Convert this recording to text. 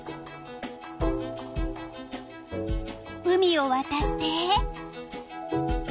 海をわたって。